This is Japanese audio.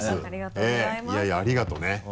いやいやありがとうね。